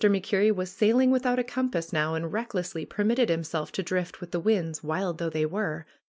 MacKerrie was sailing without a compass now and recklessly permitted himself to drift with the winds, wild though they were.